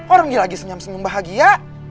orang dia lagi senyam senyum bahagia